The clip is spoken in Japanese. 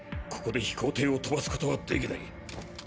ここで飛行艇を飛ばすことはできない。